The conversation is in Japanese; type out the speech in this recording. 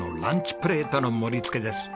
プレートの盛り付けです。